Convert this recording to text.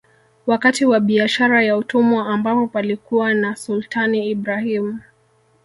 Wakati wa Biashara ya Utumwa ambapo palikuwa na Sultani Ibrahim